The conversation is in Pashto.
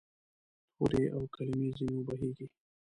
تورې او کلمې ځیني وبهیږې